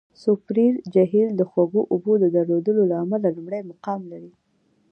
سوپریر جهیل د خوږو اوبو د درلودلو له امله لومړی مقام لري.